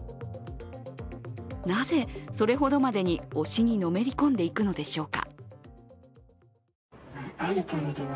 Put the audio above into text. なぜ、それほどまでに推しにのめり込んでいくのでしょうか。